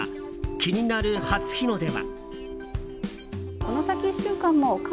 気になる初日の出は？